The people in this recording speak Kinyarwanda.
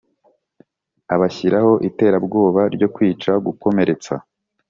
Abashyiraho iterabwoba ryo kwica gukomeretsa